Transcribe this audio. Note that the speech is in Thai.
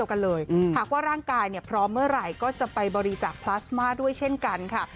กันเลยหากว่าร่างกายพร้อมเมื่อไหร่ก็จะไปบริจาคพลาสมาด้วยเช่นกันค่ะ